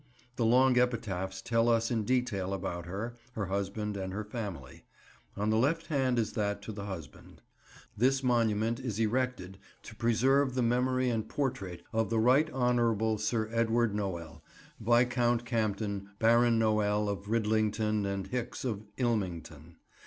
The long epitaphs tell us in detail about her, her husband, and her family. On the left hand is that to the husband— "This monument is erected to preserve the memory and pourtrait of the Right Honourable Sr. Edward Noel, Viscount Campden, Baron Noel of Ridlington and Hicks of Ilmington.